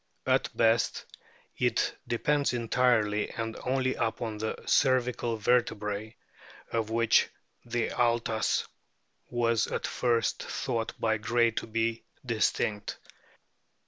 At best it depends entirely and only upon the cervical vertebrae, of which the altas was at first thought by Gray to be distinct.